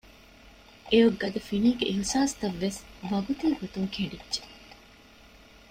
އެއޮތް ގަދަ ފިނީގެ އިހުސާސްތައްވެސް ވަގުތީގޮތުން ކެނޑިއްޖެ